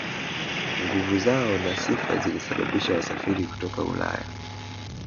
Nguvu zao na sifa zilisababisha wasafiri kutoka Ulaya